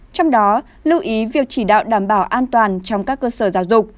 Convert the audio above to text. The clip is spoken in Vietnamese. trong đó lưu ý việc chỉ đạo đảm bảo an toàn trong các cơ sở giáo dục